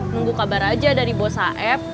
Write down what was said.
nunggu kabar aja dari bos hf